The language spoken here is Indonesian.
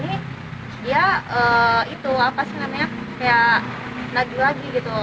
dia itu apa sih namanya kayak nagi nagi gitu